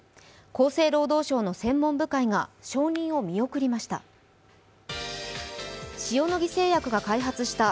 厚生労働省の専門部会が承認を見送りました。